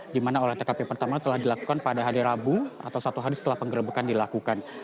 di mana olah tkp pertama telah dilakukan pada hari rabu atau satu hari setelah penggerbekan dilakukan